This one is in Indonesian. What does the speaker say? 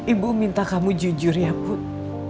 ibu minta kamu jujur ya bud